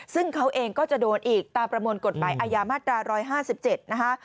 ซึ่งเขาเองก็จะโดนอีกตามประมวลกฎหมายอาญามาตรา๑๕๗นะคะ